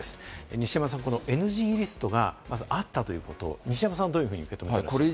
西山さん、ＮＧリストがまずあったということ、西山さんはどう受け止めていますか？